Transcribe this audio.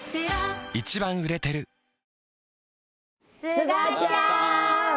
すがちゃん。